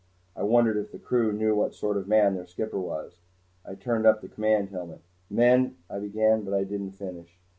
I wondered if the crew knew what sort of man their skipper was. I turned up the command helmet. "Men " I began, but I didn't finish.